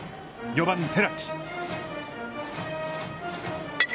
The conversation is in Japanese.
４番寺地。